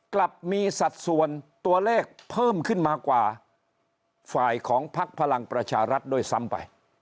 กลับมีสัดส่วนตัวเลขเพิ่มขึ้นมากว่าฝ่ายของพักพลังประชารัฐด้วยซ้ำไป